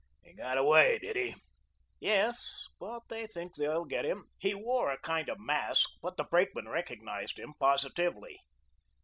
"He got away, did he?" "Yes, but they think they'll get him. He wore a kind of mask, but the brakeman recognised him positively.